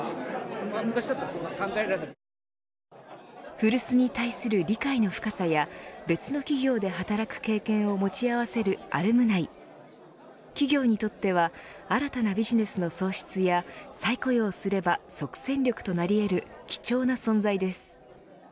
古巣に対する理解の深さや別の企業で働く経験を持ち合わせるアルムナイ企業にとっては新たなビジネスの創出や再雇用すれば即戦力となり得る貴重な存在です。